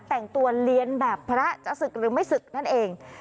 แต่งตัวเรียนแบบพระจะศึกหรือไม่ศึกนั่นเอง